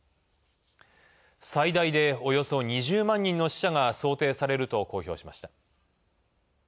最大でおよそ２０万人の死者が想定されると公表しました。